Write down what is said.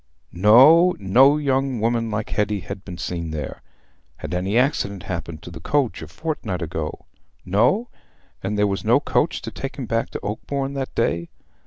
No! No young woman like Hetty had been seen there. Had any accident happened to the coach a fortnight ago? No. And there was no coach to take him back to Oakbourne that day.